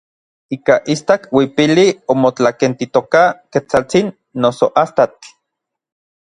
Ika istak uipili omotlakentitoka Ketsaltsin noso Astatl.